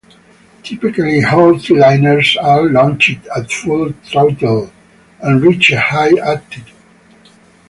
Typically hotliners are launched at full throttle and reach a high altitude.